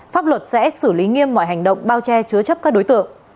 pháp luật sẽ xử lý nghiêm mọi hành động bao che chứa chấp các đối tượng